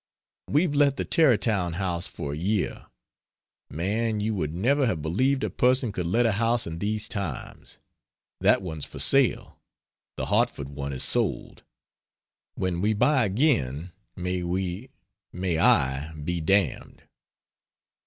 We've let the Tarrytown house for a year. Man, you would never have believed a person could let a house in these times. That one's for sale, the Hartford one is sold. When we buy again may we may I be damned....